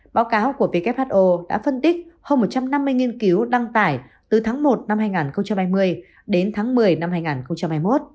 báo cáo của who đã phân tích hơn một trăm năm mươi nghiên cứu đăng tải từ tháng một năm hai nghìn hai mươi đến tháng một mươi năm hai nghìn hai mươi một